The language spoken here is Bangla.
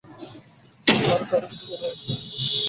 আর কারো কিছু বলার আছে?